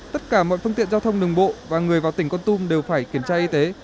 tất cả mọi phương tiện giao thông đường bộ và người vào tỉnh con tum đều phải kiểm tra y tế